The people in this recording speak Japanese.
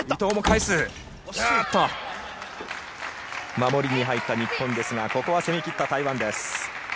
守りに入った日本ですがここは攻め切った台湾。